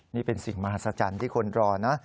นี่เป็นสิ่งมหัศจรรย์ที่คนรอนะ